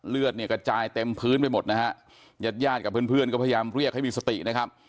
เลือดเนี่ยกระจายเต็มพื้นไปหมดนะฮะญาติญาติกับเพื่อนเพื่อนก็พยายามเรียกให้มีสตินะครับ